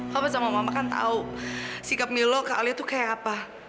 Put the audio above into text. kamu sama mama kan tahu sikap milo ke alia itu kayak apa